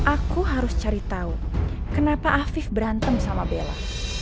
aku harus cari tau kenapa alvif berantem sama bella